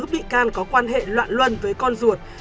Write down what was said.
bị can có quan hệ loạn luân với con ruột